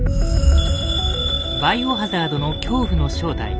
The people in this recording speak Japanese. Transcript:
「バイオハザード」の恐怖の正体。